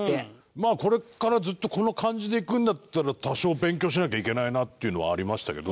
まあこれからずっとこの感じでいくんだったら多少勉強しなきゃいけないなっていうのはありましたけど。